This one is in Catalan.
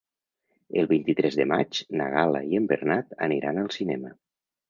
El vint-i-tres de maig na Gal·la i en Bernat aniran al cinema.